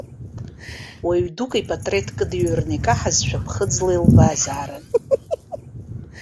Уаҩ-дук ипатреҭ кыдҩрны икаҳазшәа ԥхыӡла илбазаарын.